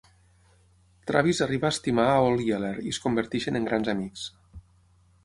Travis arriba a estimar a Old Yeller i es converteixen en grans amics.